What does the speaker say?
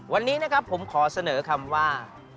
วันนี้นะครับผมขอเสนอคำว่า